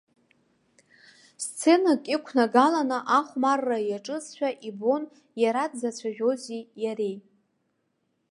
Сценак иқәнагаланы ахәмарра иаҿызшәа ибон иара дзацәажәози иареи.